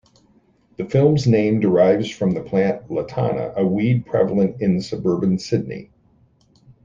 The film's name derives from the plant Lantana, a weed prevalent in suburban Sydney.